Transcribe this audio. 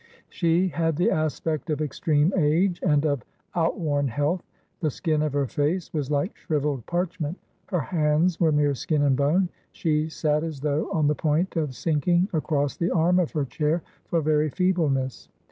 She had the aspect of extreme age and of out worn health; the skin of her face was like shrivelled parchment; her hands were mere skin and bone; she sat as though on the point of sinking across the arm of her chair for very feebleness.